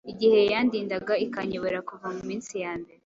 igihe yandindaga ikanyobora kuva mu minsi ya mbere,